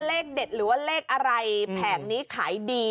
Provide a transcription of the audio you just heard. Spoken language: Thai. หรือว่าเลขอะไรแผงนี้ขายดี